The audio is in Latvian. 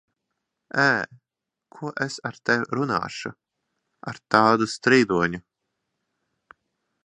Ē! Ko es ar tevi runāšu, ar tādu strīdoņu?